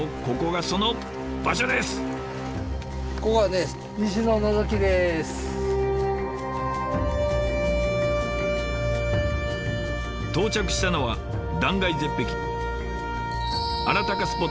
ここがね到着したのは断崖絶壁。